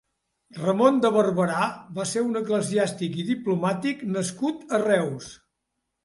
Ramon de Barberà va ser un eclesiàstic i diplomàtic nascut a Reus.